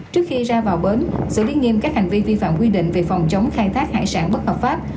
trước khi ra vào bến xử lý nghiêm các hành vi vi phạm quy định về phòng chống khai thác hải sản bất hợp pháp